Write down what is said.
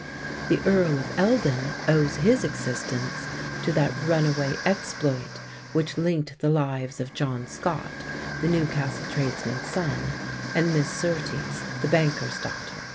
The Earl of Eldon owes his existence to that runaway exploit which linked the lives of John Scott, the Newcastle tradesman's son, and Miss Surtees, the banker's daughter.